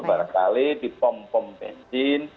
beberapa kali dipompom benzin